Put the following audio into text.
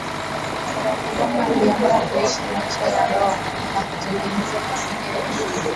Barack Obama aliamua kuishi maisha ya ndoa na kutengeneza familia yake